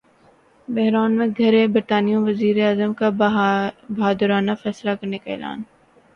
بحران میں گِھرے برطانوی وزیراعظم کا ’بہادرانہ فیصلے‘ کرنے کا اعلان